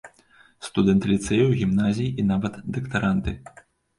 Студэнты ліцэяў, гімназій, і нават дактаранты.